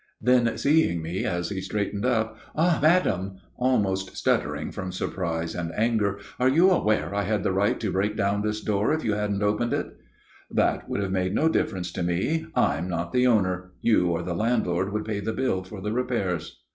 Then seeing me as he straightened up, "Ah, madam!" almost stuttering from surprise and anger, "are you aware I had the right to break down this door if you hadn't opened it?" "That would make no difference to me. I'm not the owner. You or the landlord would pay the bill for the repairs."